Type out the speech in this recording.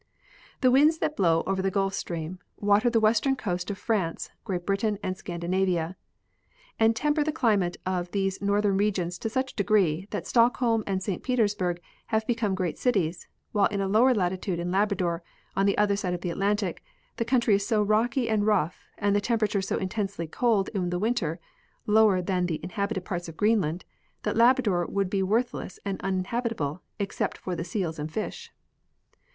The winds that bloAV over the Gulf stream, water the western coast of France, Great Britain and Scandinavia, and temper the climate of these northern regions to such a degree that Stockholm and St. Petersburg have become great cities, while in a lower latitude in Labrador, on the other side of the At lantic, " The country is so rocky and rough and the tempera ture so intensely cold in the winter (lower than the inhabited parts of Greenland) that Labrador Would be worthless and unin habitable except for the seals and fish."